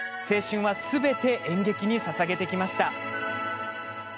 青春はすべて演劇にささげてきました。